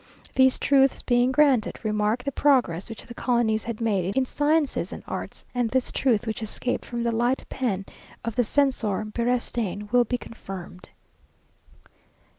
These truths being granted, remark the progress which the colonies had made in sciences and arts, and this truth which escaped from the light pen of the censor Beristain, will be confirmed.